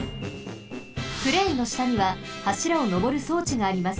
クレーンのしたにははしらをのぼるそうちがあります。